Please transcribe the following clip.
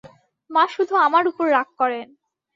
মা শুধু আমার উপর রাগ করেন।